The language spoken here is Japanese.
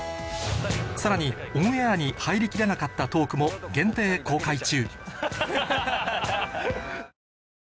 さらにオンエアに入り切らなかったトークも限定公開中